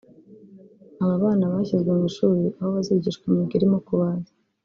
Aba bana bashyizwe mu ishuri aho bazigishwa imyuga irimo kubaza